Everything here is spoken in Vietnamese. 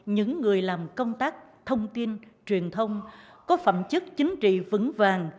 những người làm công tác thông tin truyền thông có phẩm chất chính trị vững vàng